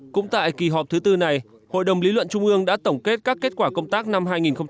cũng tại kỳ họp thứ tư này hội đồng lý luận trung ương đã tổng kết các kết quả công tác năm hai nghìn một mươi chín